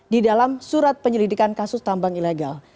di dalam surat penyelidikan kasus tambang ilegal